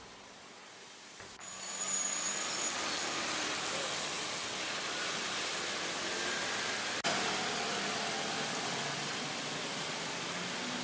subkoordinator bidang prediksi cuaca bmkg ida pramuwardani